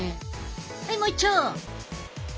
はいもういっちょ！